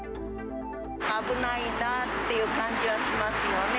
危ないなっていう感じはしますよね。